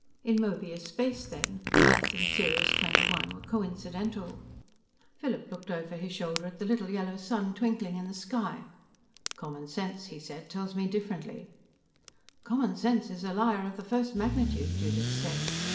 In "Möbius space", then, Earth and Sirius XXI were "coincidental". Philip looked over his shoulder at the little yellow sun twinkling in the sky. "Common sense," he said, "tells me differently." "Common sense is a liar of the first magnitude," Judith said.